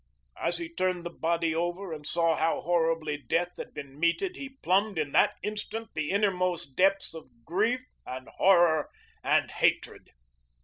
As he turned the body over and saw how horribly death had been meted he plumbed, in that instant, the uttermost depths of grief and horror and hatred.